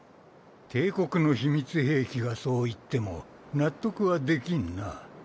帝国の秘密兵器がそう言っても納得はできんな。